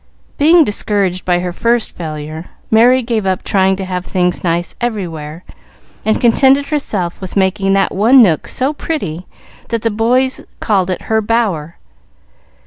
Being discouraged by her first failure, Merry gave up trying to have things nice everywhere, and contented herself with making that one nook so pretty that the boys called it her "bower."